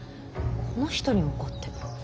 この人に怒っても。